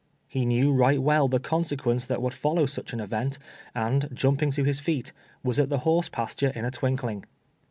lie knew right well the consequence that would follow such an event, and, jumping to his feet, was at the hoi se pasture in a twinkling.